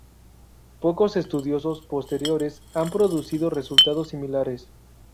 Pocos estudiosos posteriores han producido resultados similares.